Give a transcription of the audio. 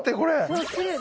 そうきれい。